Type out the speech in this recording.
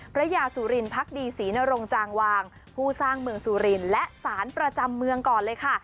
พระยาสุรินพักดีศรีนรงจางวางผู้สร้างเมืองสุรินและสารประจำเมืองก่อนเลยค่ะ